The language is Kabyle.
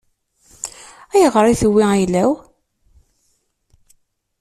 Ayɣer i tewwi ayla-w?